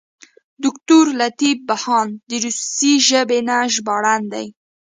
دوکتور لطیف بهاند د روسي ژبې نه ژباړن دی.